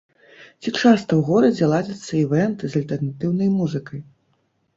Ці часта ў горадзе ладзяцца івэнты з альтэрнатыўнай музыкай?